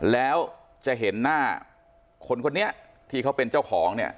แล้วจะเห็นหน้าคนคนนี้ที่เขาเป็นเจ้าของเนี่ย